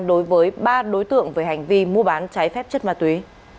đối với ba đối tượng về hành vi mua bán trái phép chất ma túy